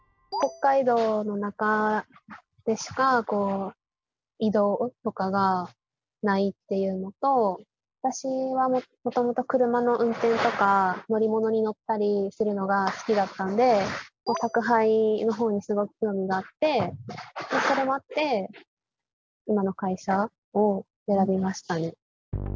北海道の中でしか異動とかがないっていうのと私はもともと車の運転とか乗り物に乗ったりするのが好きだったんで宅配の方にすごく興味があってそれもあって今の会社を選びましたね。